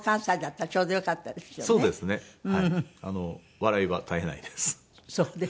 笑いは絶えないです。